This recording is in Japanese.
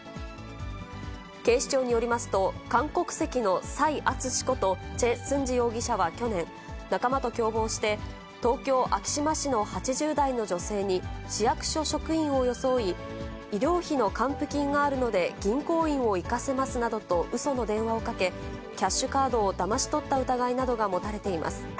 警視庁によりますと、韓国籍の蔡淳志ことチェ・スンジ容疑者は去年、仲間と共謀して、東京・昭島市の８０代の女性に市役所職員を装い、医療費の還付金があるので銀行員を行かせますなどとうその電話をかけ、キャッシュカードをだまし取った疑いなどが持たれています。